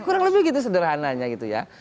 kurang lebih gitu sederhananya gitu ya